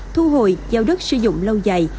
thu hồi giao đất sử dụng lâu dài